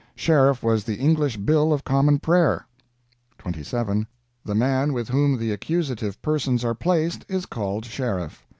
Sheriff was the English bill of common prayer. "27. The man with whom the accusative persons are placed is called Sheriff.